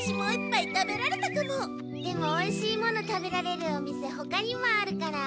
でもおいしいもの食べられるお店ほかにもあるから。